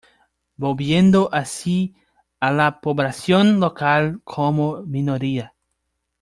Volviendo a sí a la población local como minoría.